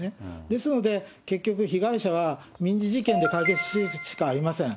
ですので、結局、被害者は民事事件で解決するしかありません。